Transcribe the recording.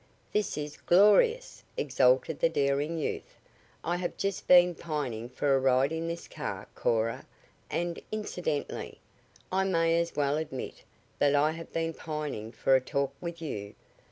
"This is glorious!" exulted the daring youth, "I have just been pining for a ride in this car, Cora, and, incidentally, I may as well admit that I have been pining for a talk with you.